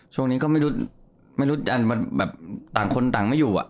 ช่วงนี้ก็ไม่รู้ต่างคนต่างไม่อยู่